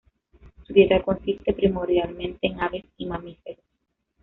Su dieta consiste, primordialmente, en aves y mamíferos.